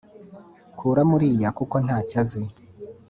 Kuramo uriya kuko ntacyo azi